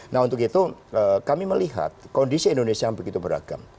nah untuk itu kami melihat kondisi indonesia yang begitu beragam